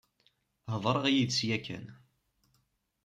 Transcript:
Heḍṛeɣ yid-s yakan.